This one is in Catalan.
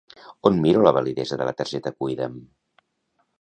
On miro la validesa de la targeta Cuida'm?